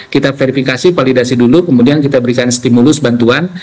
kita verifikasi validasi dulu kemudian kita berikan stimulus bantuan